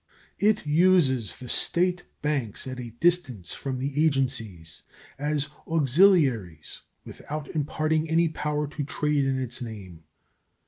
It uses the State banks at a distance from the agencies as auxiliaries without imparting any power to trade in its name.